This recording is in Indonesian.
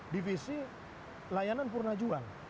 divisi layanan purnajual